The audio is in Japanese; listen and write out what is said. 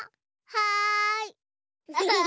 はい。